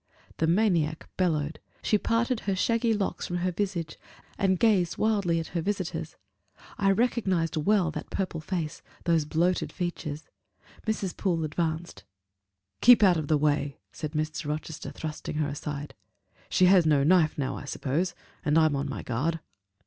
The maniac bellowed; she parted her shaggy locks from her visage, and gazed wildly at her visitors. I recognized well that purple face those bloated features. Mrs. Poole advanced. "Keep out of the way," said Mr. Rochester, thrusting her aside; "she has no knife now, I suppose? and I'm on my guard."